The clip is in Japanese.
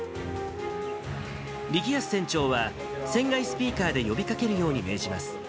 力安船長は船外スピーカーで呼びかけるように命じます。